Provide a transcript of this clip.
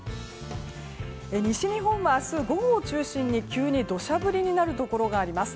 西日本は明日、午後を中心に急に土砂降りになるところがあります。